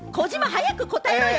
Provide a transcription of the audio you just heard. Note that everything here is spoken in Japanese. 早く答えろよ！